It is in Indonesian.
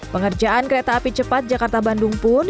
pengerjaan kereta api cepat jakarta bandung pun